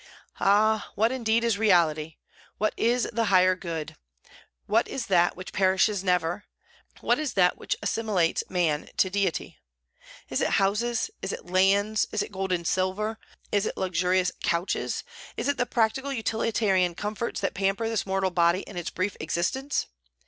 Ah, what indeed is reality; what is the higher good; what is that which perishes never; what is that which assimilates man to Deity? Is it houses, is it lands, is it gold and silver, is it luxurious couches, is it the practical utilitarian comforts that pamper this mortal body in its brief existence?